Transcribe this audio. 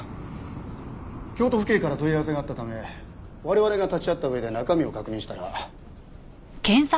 京都府警から問い合わせがあったため我々が立ち会った上で中身を確認したら。